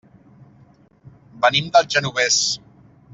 Venim del Genovés.